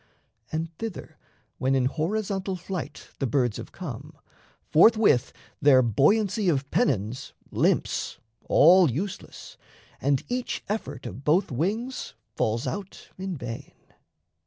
And thither when In horizontal flight the birds have come, Forthwith their buoyancy of pennons limps, All useless, and each effort of both wings Falls out in vain.